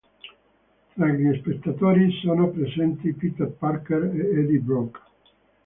Tra gli spettatori sono presenti Peter Parker e Eddie Brock.